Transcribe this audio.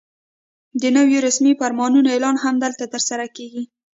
د نویو رسمي فرمانونو اعلان هم دلته ترسره کېږي.